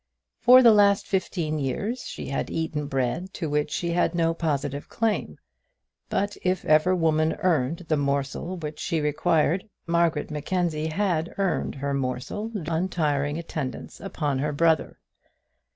For the last fifteen years she had eaten bread to which she had no positive claim; but if ever woman earned the morsel which she required, Margaret Mackenzie had earned her morsel during her untiring attendance upon her brother.